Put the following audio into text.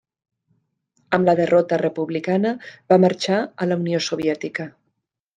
Amb la derrota republicana, va marxar a la Unió Soviètica.